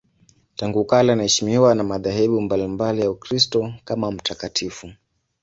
Tangu kale anaheshimiwa na madhehebu mbalimbali ya Ukristo kama mtakatifu.